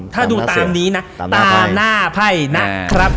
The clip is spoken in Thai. ถ้าดูตามนี้นะตามหน้าไพ่นะครับ